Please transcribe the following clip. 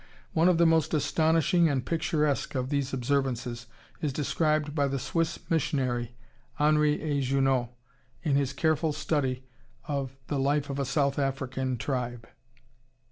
One of the most astonishing and picturesque of these observances is described by the Swiss missionary, Henri A. Junod, in his careful study of "The Life of a South African Tribe."